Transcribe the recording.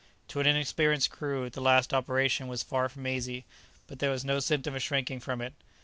] To an inexperienced crew, the last operation was far from easy; but there was no symptom of shrinking from it.